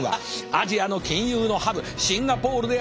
アジアの金融のハブシンガポールであります。